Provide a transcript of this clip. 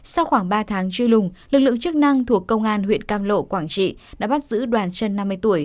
sau khoảng ba tháng truy lùng lực lượng chức năng thuộc công an huyện cam lộ quảng trị đã bắt giữ đoàn chân năm mươi tuổi